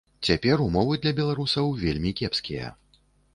Цяпер умовы для беларусаў вельмі кепскія.